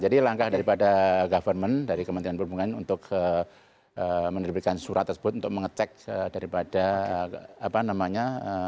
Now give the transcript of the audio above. jadi langkah dari pada government dari kementerian perhubungan untuk menerbitkan surat tersebut untuk mengecek daripada apa namanya